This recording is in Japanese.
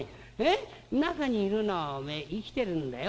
中にいるのはおめえ生きてるんだよ。